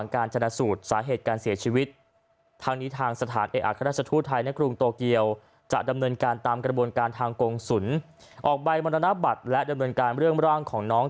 กรงศูนย์ออกใบมรณบัตรและดำเนินการเรื่องร่างของน้อง